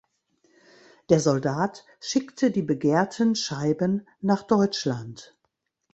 Der Soldat schickte die begehrten Scheiben nach Deutschland.